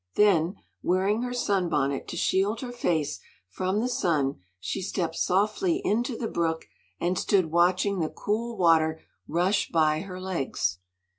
Then, wearing her sun bonnet to shield her face from the sun, she stepped softly into the brook and stood watching the cool water rush by her legs.